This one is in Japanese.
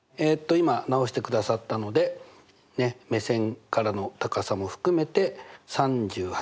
今直してくださったので目線からの高さも含めて３８ｍくらいにしたのかな。